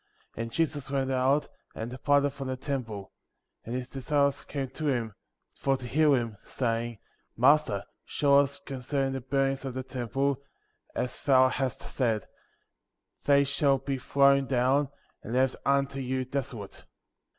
2. And Jesus went out, and departed from the temple; and his disciples came to him, for to hear him, saying : Master, show us concerning the buildings of the temple, as thou hast said — They shall be thrown down, and left unto you desolate.